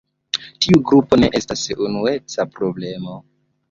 Tiu grupo ne estas unueca problemo.